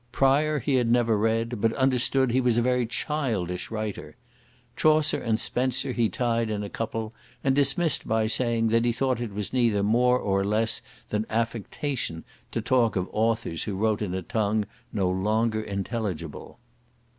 Prior he had never read, but understood he was a very childish writer. Chaucer and Spenser he tied in a couple, and dismissed by saying, that he thought it was neither more nor less than affectation to talk of authors who wrote in a tongue no longer intelligible.